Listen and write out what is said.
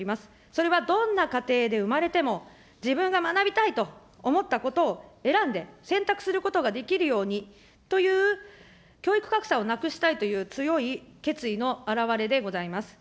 それはどんな家庭で生まれても、自分が学びたいと思ったことを選んで、選択することができるようにという教育格差をなくしたいという強い決意の表れでございます。